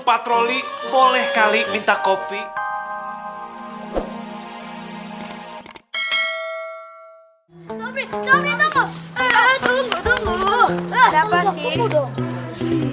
patroli boleh kali minta kopi tapi tapi tunggu tunggu tunggu tunggu dong